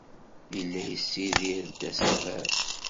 Yella yessidir-d asaber.